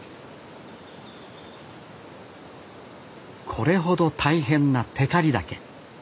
これほど大変な光岳。